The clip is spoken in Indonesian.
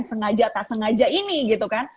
sengaja tasengaja ini gitu kan